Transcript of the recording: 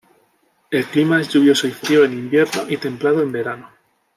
El clima es lluvioso y frío, en invierno y templado en verano.